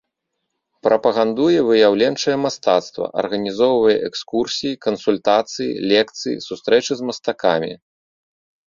Прапагандуе выяўленчае мастацтва, арганізоўвае экскурсіі, кансультацыі, лекцыі, сустрэчы з мастакамі.